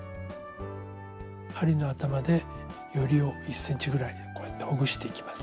針の頭でよりを１ｃｍぐらいこうやってほぐしていきます。